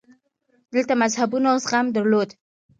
دلته مذهبونو زغم درلود